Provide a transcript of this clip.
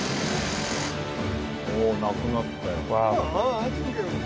なくなったよ。